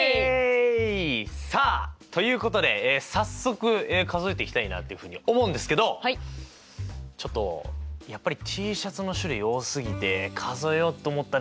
さあということで早速数えていきたいなっていうふうに思うんですけどちょっとやっぱりＴシャツの種類多すぎて数えようと思っただけで気が遠くなってますね